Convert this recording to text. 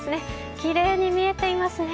きれいに見えていますね。